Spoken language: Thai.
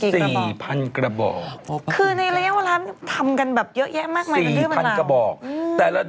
เท่าไหร่ค่ะกี่กระบอก๔๐๐๐กระบอก